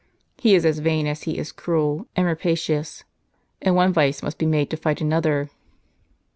He is as vain as he is cruel and rapacious ; and one vice must be made to fight another."